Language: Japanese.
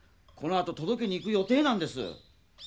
このあととどけにいく予定なんです。